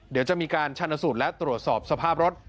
เดี๋ยวจะมีการชันสูตรและตรวจสอบสภาพรถ